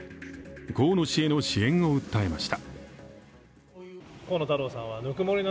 河野氏への支援を訴えました。